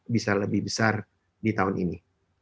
bisa lebih besar di tahun ini